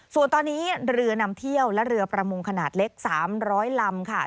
ส่วนตอนนี้เรือนำเที่ยวและเรือประมงขนาดเล็ก๓๐๐ลำค่ะ